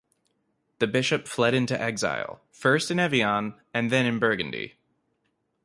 The bishop fled into exile, first in Evian, and then in Burgundy.